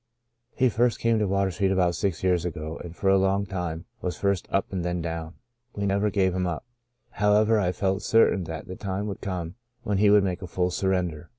He first came to Water Street about six years ago, and for a long time was first up and then down. We never gave him up, however, and I felt certain that the time would come when he would make a full surrender.